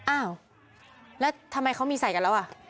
อ้าวแล้วทำไมเขามีใส่กันแล้วอ่ะ